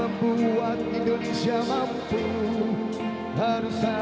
untuk kita selalu bahagia